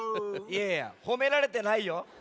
いやいやほめられてないよ。